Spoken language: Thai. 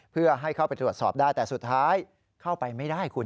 เพื่อให้เข้าไปตรวจสอบได้แต่สุดท้ายเข้าไปไม่ได้คุณ